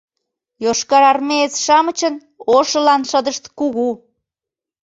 Йошкарармеец-шамычын ошылан шыдышт кугу.